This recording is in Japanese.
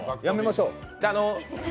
やめましょう。